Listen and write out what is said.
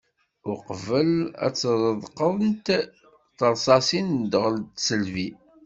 Uqbel ad ṭṭreḍqent tersasin n dɣel d tisselbi.